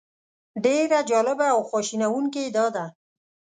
ډېره جالبه او خواشینونکې یې دا ده.